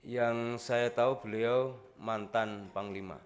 yang saya tahu beliau mantan panglima